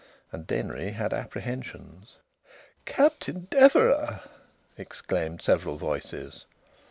And Denry had apprehensions.... "Captain Deverax!" exclaimed several voices.